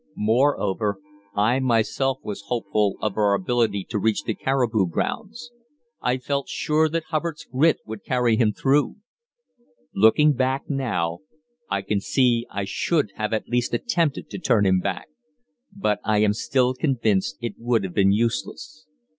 Moreover, I myself was hopeful of our ability to reach the caribou grounds; I felt sure that Hubbard's grit would carry him through. Looking back now, I can see I should have at least attempted to turn him back, but I am still convinced it would have been useless.